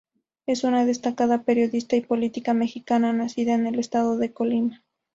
Es una destacada periodista y política mexicana, nacida en el Estado de Colima.